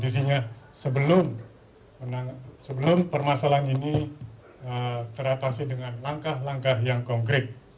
sebelum permasalahan ini teratasi dengan langkah langkah yang konkret